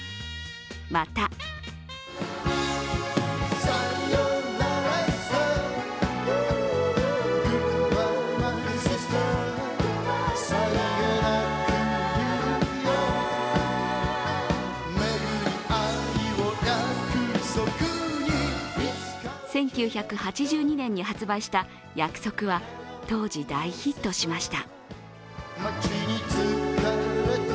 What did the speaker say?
また１９８２年に発売した「約束」は当時、大ヒットしました。